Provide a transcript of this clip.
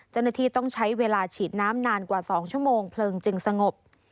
เจ้าหน้าที่ต้องใช้เวลาฉีดน้ำนานกว่า๒ชั่วโมงเพลิงจึงสงบ